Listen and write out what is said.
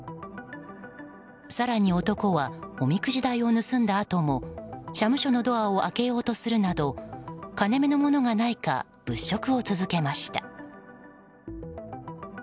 更に男はおみくじ代を盗んだあとも社務所のドアを開けようとするなど金目のものがないか物色を続けました。